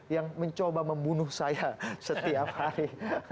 yang mencoba membunuh saya setiap hari